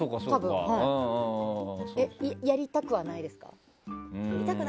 やりたくはないですか？